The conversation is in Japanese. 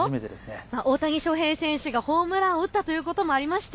大谷翔平選手がホームランを打ったということもありまして